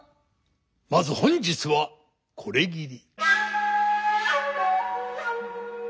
まず本日はこれぎり。